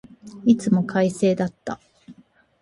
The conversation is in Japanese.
いつも快晴だった。